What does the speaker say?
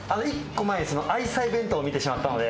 １個前、愛妻弁当を見てしまったので。